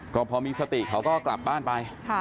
ก็พอมีสติเขาก็กลับบ้านไป